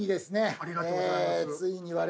ありがとうございます。